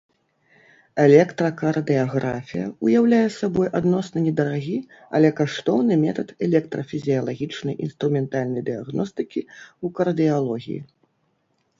Электракардыяграфія ўяўляе сабой адносна недарагі, але каштоўны метад электрафізіялагічнай інструментальнай дыягностыкі ў кардыялогіі.